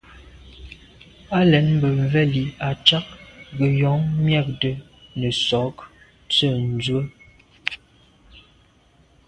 Á lɛ̀ɛ́n mbə̄ mvɛ́lì à’cák gə̀jɔ̀ɔ́ŋ mjɛ́ɛ̀’də̄ nə̀sɔ̀ɔ́k tsə̂ ndzwə́.